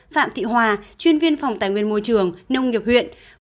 phạm thị hòa chuyên viên phòng tài nguyên môi trường nông nghiệp huyện